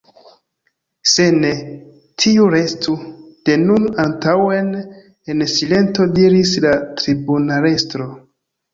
Se ne, tiu restu de nun antaŭen en silento, diris la tribunalestro.